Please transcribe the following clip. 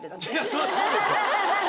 そりゃそうでしょ